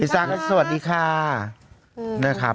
ลิซ่าซ้าวดีค่ะ